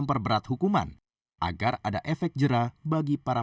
pendiam orangnya pendiam pokoknya